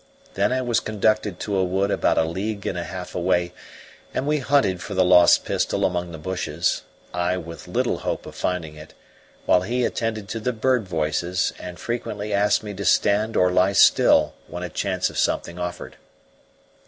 Then I was conducted to a wood about a league and a half away and we hunted for the lost pistol among the bushes, I with little hope of finding it, while he attended to the bird voices and frequently asked me to stand or lie still when a chance of something offered.